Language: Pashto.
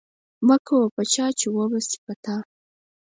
مه کوه په چا، چي و به سي په تا.